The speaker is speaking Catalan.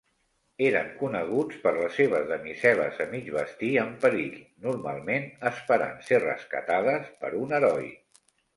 Eren coneguts per les seves damisel·les a mig vestir en perill, normalment esperant ser rescatades per un heroi.